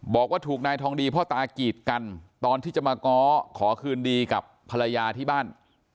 บอกว่าถูกนายทองดีพ่อตากีดกันตอนที่จะมาง้อขอคืนดีกับภรรยาที่บ้าน